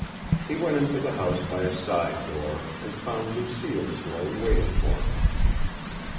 He went into the house by a side door and found Lucille Sloane waiting for him.